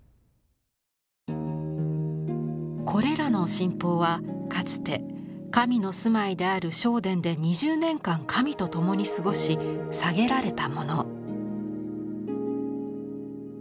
これらの神宝はかつて神の住まいである正殿で２０年間神と共に過ごし下げられたもの。